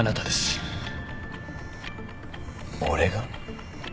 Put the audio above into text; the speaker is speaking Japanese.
俺が？